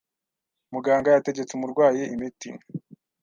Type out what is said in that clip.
Muganga yategetse umurwayi imiti.